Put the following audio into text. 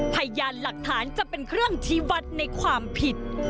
พยานหลักฐานจะเป็นเครื่องชี้วัดในความผิด